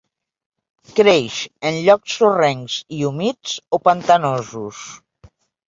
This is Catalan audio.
Creix en llocs sorrencs i humits o pantanosos.